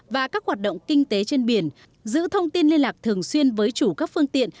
và các hoạt động kinh tế trên biển giữ thông tin liên lạc thường xuyên với chủ các phương tiện